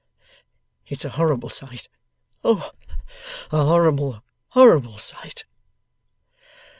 It's a horrible sight. O! a horrible, horrible sight!